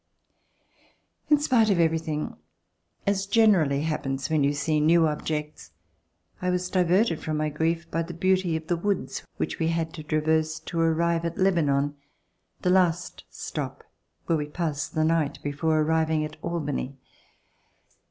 In spite of everything, as generally happens when you see new objects, I was diverted from my grief by the beauty of the woods which we had to traverse to arrive at Lebanon, the last stop where we passed the night before arriving at Albany.